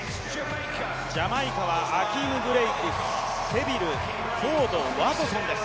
ジャマイカはアキーム・ブレイク、セビル、フォード、ワトソンです。